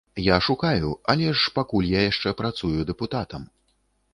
Я шукаю, але ж пакуль я яшчэ працую дэпутатам.